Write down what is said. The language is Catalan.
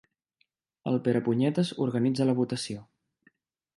El Perepunyetes organitza la votació.